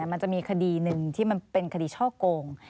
มันจะมีคดีหนึ่งที่มันเป็นคดีช่อโกง